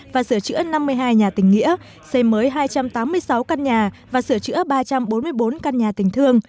và sửa chữa năm mươi hai nhà tình nghĩa xây mới hai trăm tám mươi sáu căn nhà và sửa chữa ba trăm bốn mươi bốn căn nhà tình thương